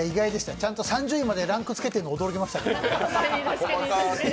ちゃんと３０位までランクつけてるの驚きでした。